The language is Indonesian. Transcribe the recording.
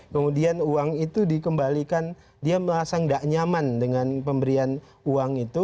kemudian uang itu dikembalikan dia merasa tidak nyaman dengan pemberian uang itu